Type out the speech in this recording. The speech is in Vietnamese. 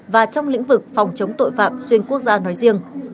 và trong lĩnh vực phòng chống tội phạm xuyên quốc gia nói riêng